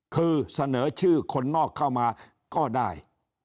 คือเสนอชื่อคนนอกเข้ามาก็ได้